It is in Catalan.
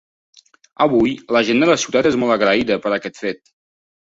Avui, la gent de la ciutat és molt agraïda per aquest fet.